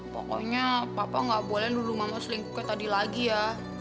pokoknya papa gak boleh dulu mama selingkuh kayak tadi lagi ya